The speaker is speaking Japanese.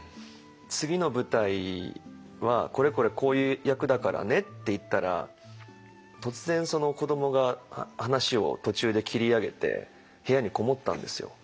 次の舞台は「これこれこういう役だからね」って言ったら突然子どもが話を途中で切り上げて部屋に籠もったんですよ。